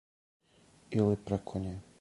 Или преко ње.